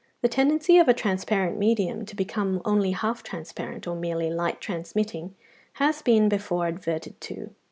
The tendency of a transparent medium to become only half transparent, or merely light transmitting, has been before adverted to (147, 148).